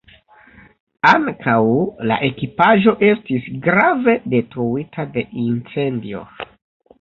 Ankaŭ la ekipaĵo estis grave detruita de incendio.